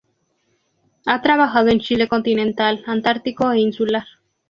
Ha trabajado en Chile continental, antártico e insular.